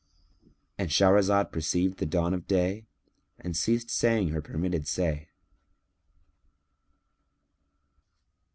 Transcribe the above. ——And Shahrazad perceived the dawn of day and ceased saying her permitted say.